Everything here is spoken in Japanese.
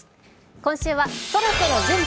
今週は「そろそろ準備！